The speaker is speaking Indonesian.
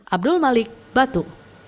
abdul malik batu